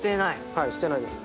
はい捨てないです。